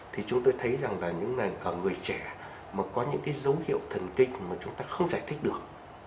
thì chúng tôi thấy rằng là những ngành người trẻ mà có những cái dấu hiệu thần kinh mà chúng ta không giải thích được